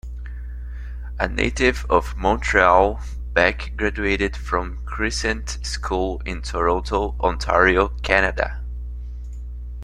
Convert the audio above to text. A native of Montreal, Beck graduated from Crescent School in Toronto, Ontario, Canada.